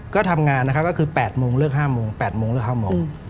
ก็ทำงานนะคะก็คือ๘โมงเลือก๕โมง๘โมงเลือก๕โมง